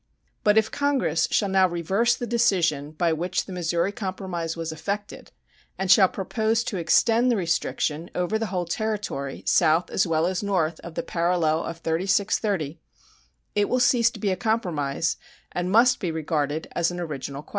But if Congress shall now reverse the decision by which the Missouri compromise was effected, and shall propose to extend the restriction over the whole territory, south as well as north of the parallel of 36 30', it will cease to be a compromise, and must be regarded as an original question.